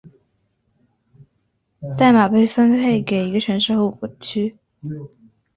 代码被分配给一个城市和五个区。